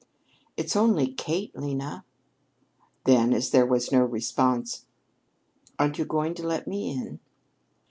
"It's only Kate, Lena!" Then, as there was no response: "Aren't you going to let me in?"